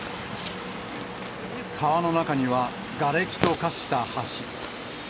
川の中にはがれきと化した橋。